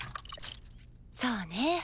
そうね。